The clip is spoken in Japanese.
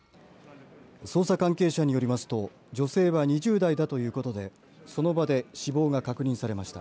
捜査関係者によりますと女性は２０代だということでその場で死亡が確認されました。